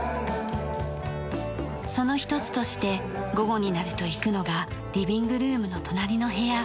その一つとして午後になると行くのがリビングルームの隣の部屋。